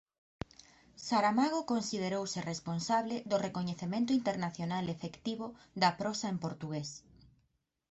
Saramago considerouse responsable do recoñecemento internacional efectivo da prosa en portugués.